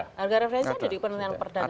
harga referensi ada di penerangan perdanaan